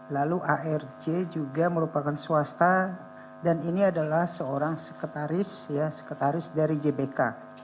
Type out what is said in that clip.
lalu arj juga merupakan swasta dan ini adalah seorang sekretaris dari jbk